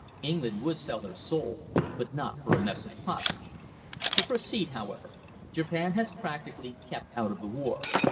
"England would sell her soul, but not for a mess of pottage. To proceed, however, Japan has practically kept out of the war.